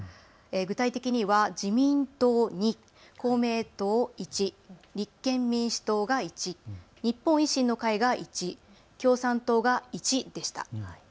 具体的には自民党２、公明党１、立憲民主党が１、日本維新の会が１、共産党が１でした。